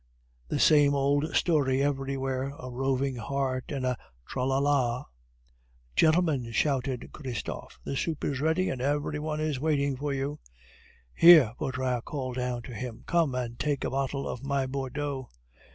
The same old story everywhere, A roving heart and a... tra la la." "Gentlemen!" shouted Christophe, "the soup is ready, and every one is waiting for you." "Here," Vautrin called down to him, "come and take a bottle of my Bordeaux."